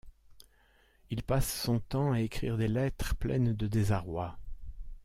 Il passe son temps à écrire des lettres pleines de désarroi.